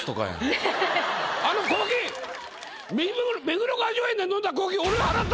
あのコーヒー目黒雅叙園で飲んだコーヒーあははっ！